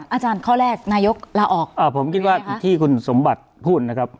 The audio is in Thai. อาจารย์ข้อแรกนายกลาออกอ่าผมคิดว่าที่คุณสมบัติพูดนะครับ